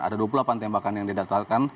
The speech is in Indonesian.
ada dua puluh delapan tembakan yang didatalkan